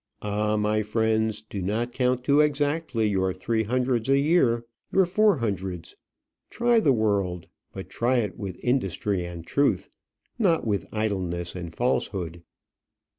Ah, my friends, do not count too exactly your three hundreds a year your four hundreds. Try the world. But try it with industry and truth, not with idleness and falsehood.